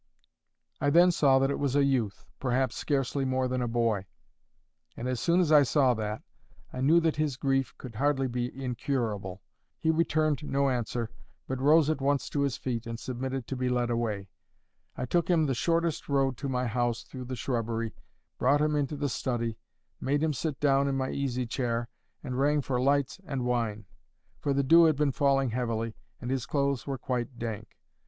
I then saw that it was a youth—perhaps scarcely more than a boy. And as soon as I saw that, I knew that his grief could hardly be incurable. He returned no answer, but rose at once to his feet, and submitted to be led away. I took him the shortest road to my house through the shrubbery, brought him into the study, made him sit down in my easy chair, and rang for lights and wine; for the dew had been falling heavily, and his clothes were quite dank.